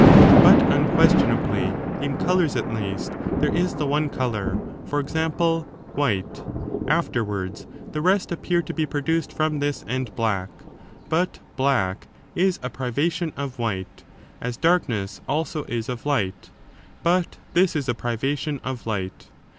2. luustrated ^^*» unquestionably, in colours, at least, there is by the case of the One colour, — for example, white, — afterwards CO ours ;^^^^^^^ appear to be produced from this and black ; but black is a privation of white, as darkness also is of light, but this is a privation of light.